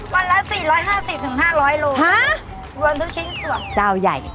วันละ๔๕๐๕๐๐โลรวมทุกชิ้นส่วนเจ้าใหญ่